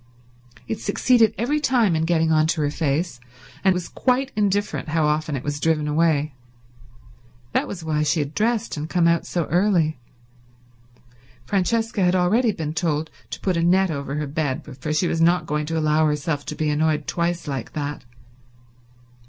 It succeeded every time in getting on to her face, and was quite indifferent how often it was driven away. That was why she had dressed and come out so early. Francesca had already been told to put a net over her bed, for she was not going to allow herself to be annoyed twice like that.